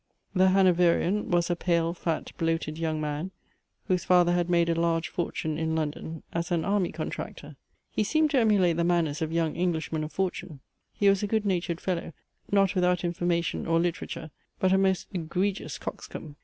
The Hanoverian was a pale, fat, bloated young man, whose father had made a large fortune in London, as an army contractor. He seemed to emulate the manners of young Englishmen of fortune. He was a good natured fellow, not without information or literature; but a most egregious coxcomb.